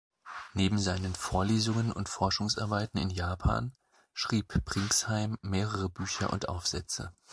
Neben seinen Vorlesungen und Forschungsarbeiten in Japan schrieb Pringsheim mehrere Bücher und Aufsätze.